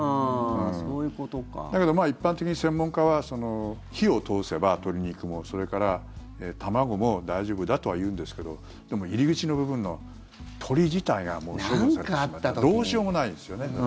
だけど一般的に専門家は火を通せば、鶏肉もそれから、卵も大丈夫だとは言うんですけどでも、入り口の部分の鶏自体がもう処分されてしまったらどうしようもないですよね。